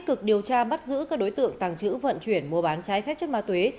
bước các đối tượng tàng trữ vận chuyển mua bán trái phép chất ma túy